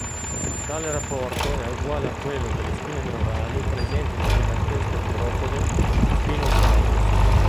Tale rapporto è uguale a quello delle spine neurali presenti nel gigantesco teropode "Spinosaurus".